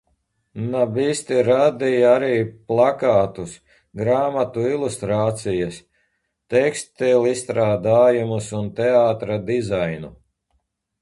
Nabisti radīja arī plakātus, grāmatu ilustrācijas, tekstilizstrādājumus un teātra dizainu.